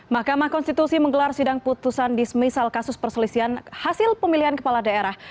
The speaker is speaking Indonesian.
mahkamah konstitusi menggelar sidang putusan di semisal kasus perselisihan hasil pemilihan kepala daerah